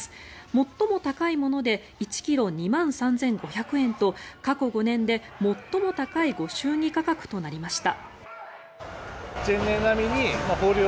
最も高いもので１ｋｇ２万３５００円と過去５年で最も高いご祝儀価格となりました。